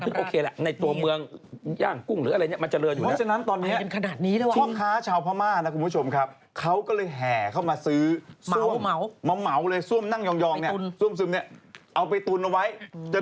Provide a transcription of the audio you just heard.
ทุกอย่างเค้ามารับจากเมืองไทยหมด